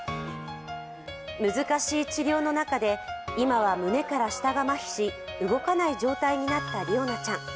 難しい治療の中で、今は胸から下がまひし、動かない状態になったりおなちゃん。